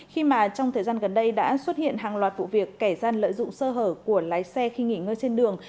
khi mà trong thời gian gần đây đã xuất hiện hàng loạt vụ việc kẻ gian lợi dụng sơ hở của lái xe khi nghỉ ngơi trên đường